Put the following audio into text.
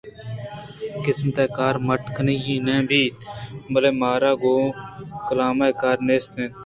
قسمت ءِ کار مٹ کنگ نہ بنت بلئے مارا گوں کلام ءَ کار نیست اِنت